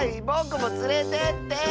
ぼくもつれてって！